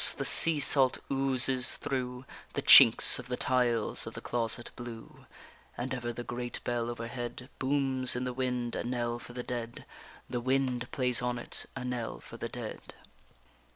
the sea salt oozes through The chinks of the tiles of the Closet Blue; _And ever the great bell overhead Booms in the wind a knell for the dead, The wind plays on it a knell for the dead.